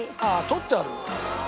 買ってある。